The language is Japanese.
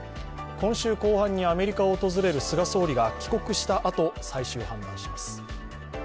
今週後半にアメリカを訪れる菅総理が帰国したあと、最終判断します。